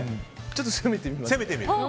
ちょっと攻めてみます。